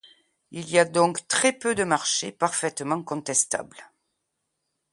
Il y a donc très peu de marchés parfaitement contestables.